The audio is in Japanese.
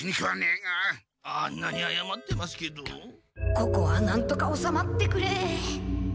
ここはなんとかおさまってくれ！